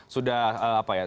sudah apa ya